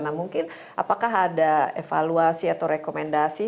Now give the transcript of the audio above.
nah mungkin apakah ada evaluasi atau rekomendasi